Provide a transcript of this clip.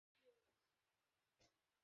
সব দোষ বুঝি আমার!